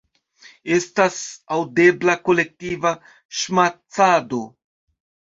Estas aŭdebla kolektiva ŝmacado.